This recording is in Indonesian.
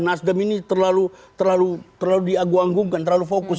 nasdem ini terlalu terlalu terlalu diagu agungkan terlalu fokus